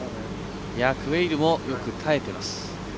クウェイルもよく耐えています。